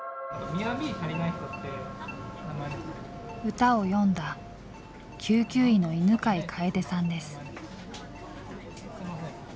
歌を詠んだ救急医の犬養楓さんです。